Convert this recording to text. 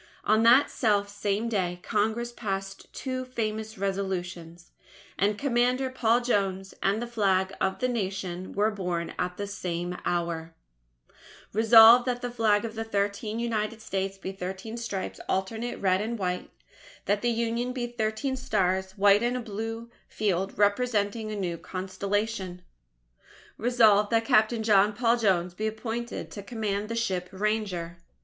On that self same day, Congress passed two famous Resolutions; and Commander Paul Jones and the Flag of the Nation were "born at the same hour": Resolved: that the Flag of the Thirteen United States be thirteen Stripes, alternate red and white; that the Union be thirteen Stars, white in a blue field, representing a new Constellation. Resolved: that Captain John Paul Jones be appointed to command the ship Ranger.